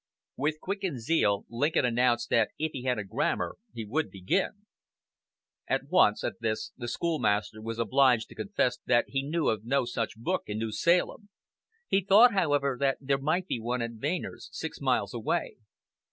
With quickened zeal Lincoln announced that if he had a grammar he would begin at once at this the schoolmaster was obliged to confess that he knew of no such book in New Salem. He thought, however, that there might be one at Vaner's, six miles away.